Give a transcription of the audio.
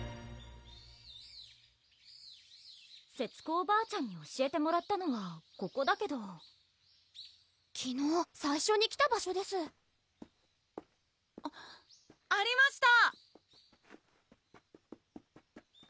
おばあちゃんに教えてもらったのはここだけど昨日最初に来た場所ですあっありました